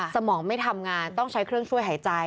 สมองไม่ทำงานต้องใช้เครื่องช่วยหายใจ